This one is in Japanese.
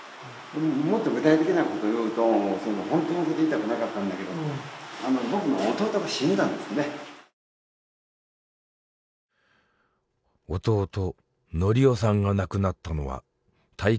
もっと具体的なことを言うと本当のこと言いたくなかったんだけど弟法男さんが亡くなったのは大会の８日前。